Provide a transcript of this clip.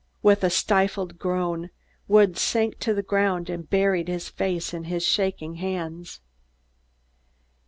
With a stifled groan, Woods sank to the ground and buried his face in his shaking hands.